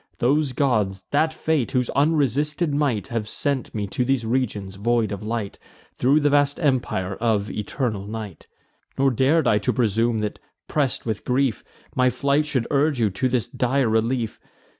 Those gods, that fate, whose unresisted might Have sent me to these regions void of light, Thro' the vast empire of eternal night. Nor dar'd I to presume, that, press'd with grief, My flight should urge you to this dire relief.